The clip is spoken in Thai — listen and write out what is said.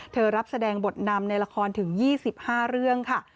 รับแสดงบทนำในละครถึง๒๕เรื่องค่ะ